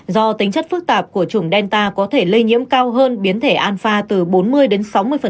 do tính chất phức tạp của chủng delta có thể lây nhiễm cao hơn biến thể anfa từ bốn mươi đến sáu mươi